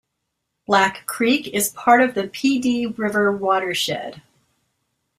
Black Creek is part of the Pee Dee River watershed.